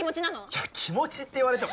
いや気持ちって言われても。